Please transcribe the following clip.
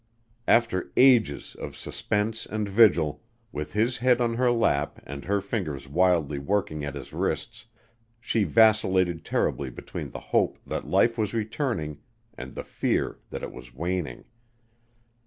After ages of suspense and vigil, with his head on her lap and her fingers wildly working at his wrists, she vacillated terribly between the hope that life was returning and the fear that it was waning.